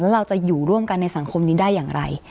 แล้วเราจะอยู่ร่วมกันในสังคมนี้ได้อย่างไร